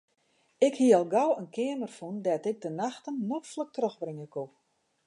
Ik hie al gau in keamer fûn dêr't ik de nachten noflik trochbringe koe.